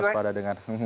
kita waspada dengan